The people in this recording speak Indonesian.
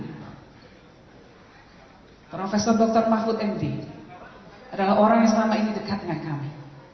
prof dr mahfud md adalah orang yang selama ini dekat dengan kami